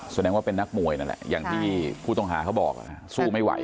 แสดงว่าเป็นนักมวยนั่นแหละอย่างที่ผู้ต้องหาเขาบอกสู้ไม่ไหว